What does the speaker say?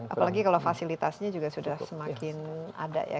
apalagi kalau fasilitasnya juga sudah semakin ada ya